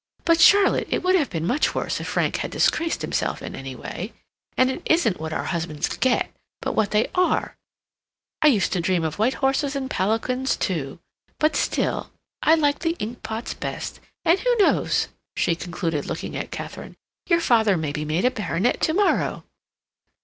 "But, Charlotte, it would have been much worse if Frank had disgraced himself in any way. And it isn't what our husbands GET, but what they are. I used to dream of white horses and palanquins, too; but still, I like the ink pots best. And who knows?" she concluded, looking at Katharine, "your father may be made a baronet to morrow."